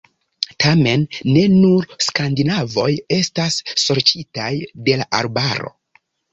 Tamen ne nur skandinavoj estas sorĉitaj de la arbaro.